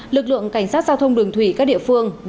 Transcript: lực lượng cảnh sát giao thông đường thủy các địa phương